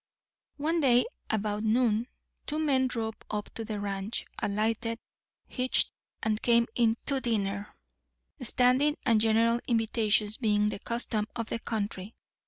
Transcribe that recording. One day, about noon, two men drove up to the ranch, alighted, hitched, and came in to dinner; standing and general invitations being the custom of the country.